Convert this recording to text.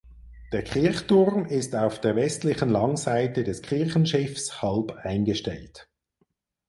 Der Kirchturm ist auf der westlichen Langseite des Kirchenschiffs halb eingestellt.